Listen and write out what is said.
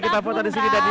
kita foto di sini danyar